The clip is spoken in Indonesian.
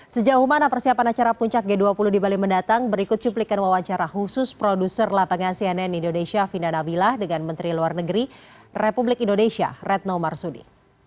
sejauh mana persiapan acara puncak g dua puluh di bali mendatang berikut cuplikan wawancara khusus produser lapangan cnn indonesia vina nabilah dengan menteri luar negeri republik indonesia retno marsudi